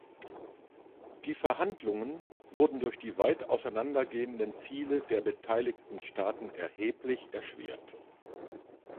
Die Verhandlungen wurden durch die weit auseinander gehenden Ziele der beteiligten Staaten erheblich erschwert.